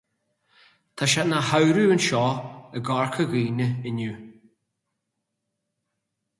Tá sé ina Shamhradh anseo i gCorca Dhuibhne inniu.